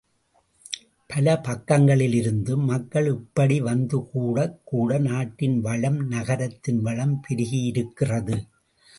பல பக்கங்களிலிருந்தும் மக்கள் இப்படி வந்து கூடக் கூட நாட்டின் வளம், நகரத்தின் வளம் பெருகியிருக்கிறது.